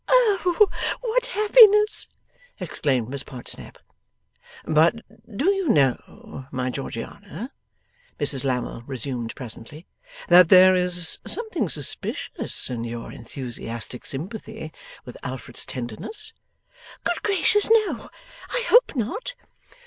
'Oh, what happiness!' exclaimed Miss Podsnap. 'But do you know, my Georgiana,' Mrs Lammle resumed presently, 'that there is something suspicious in your enthusiastic sympathy with Alfred's tenderness?' 'Good gracious no, I hope not!